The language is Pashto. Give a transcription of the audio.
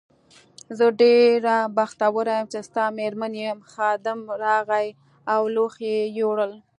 زه ډېره بختوره یم چې ستا مېرمن یم، خادم راغی او لوښي یې یووړل.